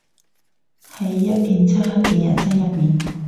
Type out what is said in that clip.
喺一片漆黑嘅人生入面